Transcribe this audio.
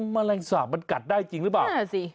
แมลงสาปมันกัดได้จริงหรือเปล่านั่นสิ